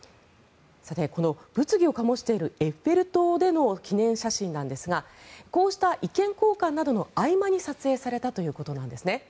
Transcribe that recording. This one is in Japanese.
この物議を醸しているエッフェル塔での記念写真なんですがこうした意見交換などの合間に撮影されたということなんです。